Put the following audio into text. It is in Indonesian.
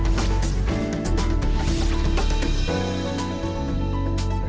jadi ini adalah bagian dari kegiatan mereka